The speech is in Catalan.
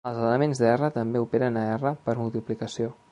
Els elements d'"R" també operen a "R" per multiplicació.